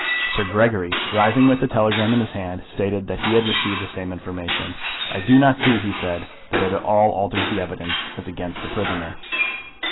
Sir Gregory, rising with the telegram in his hand, stated that he had received the same information. "I do not see," said he, "that it at all alters the evidence as against the prisoner."